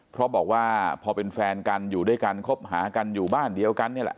เพราะบอกว่าพอเป็นแฟนกันอยู่ด้วยกันคบหากันอยู่บ้านเดียวกันนี่แหละ